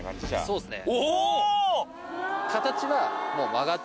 そうっすね。